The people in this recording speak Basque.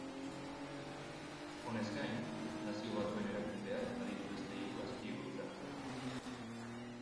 Honez gain, Nazio Batuen Erakundeak baditu beste hiru azpi-egoitza.